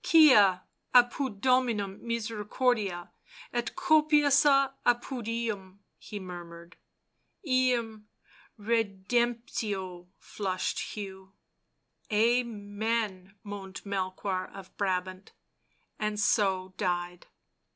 " Quia apud Dominum misericordia, et copiosa apud eum," he murmured. " Eum redemptio," finished Hugh. " Amen," moaned Melchoir of Brabant, and so died.